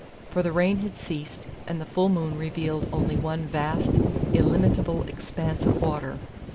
For the rain had ceased, and the full moon revealed only one vast, illimitable expanse of water!